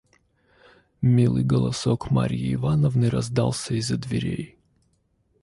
Милый голосок Марьи Ивановны раздался из-за дверей.